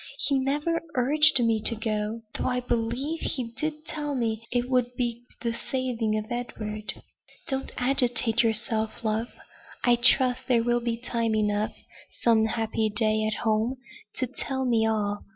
He never urged me to go; though, I believe, he did tell me it would be the saving of Edward." "Don't agitate yourself, love. I trust there will be time enough, some happy day at home, to tell me all.